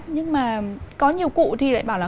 nhưng mà có nhiều cụ thì lại bảo là